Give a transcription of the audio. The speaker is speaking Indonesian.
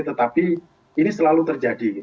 tetapi ini selalu terjadi